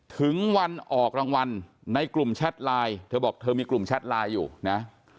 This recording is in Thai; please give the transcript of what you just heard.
ถึงวันออกรางวัลในกลุ่มแชทไลน์เธอบอกเธอมีกลุ่มแชทไลน์อยู่นะ